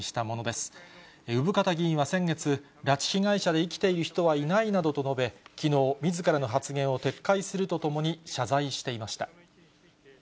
生方議員は先月、拉致被害者で生きている人はいないなどと述べ、きのう、みずからの発言を撤回するとともに、謝罪していました。